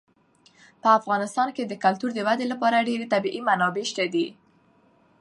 په افغانستان کې د کلتور د ودې لپاره ډېرې طبیعي منابع شته دي.